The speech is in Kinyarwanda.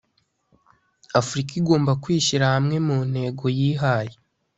“Afurika igomba kwishyira hamwe mu ntego yihaye